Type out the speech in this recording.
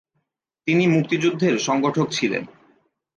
তিনি মুক্তিযুদ্ধের সংগঠক ছিলেন।